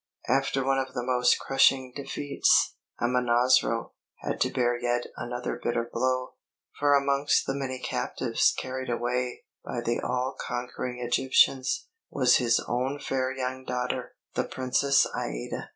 After one of his most crushing defeats, Amonasro had to bear yet another bitter blow, for amongst the many captives carried away by the all conquering Egyptians, was his own fair young daughter, the Princess Aïda.